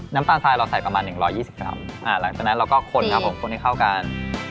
น้ำตาลทรายเราใส่ประมาณ๑๒๐กรัมหลังจากนั้นเราก็คนครับผมคนให้เข้ากัน